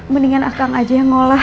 mendingan akang aja yang ngolah